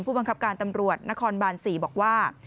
บังคับการตำรวจนครบาน๔บอกว่า